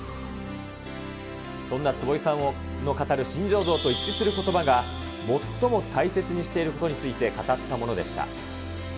そんな坪井さんの語る新庄像と一致することばが、最も大切にしていることについて語ったものでした。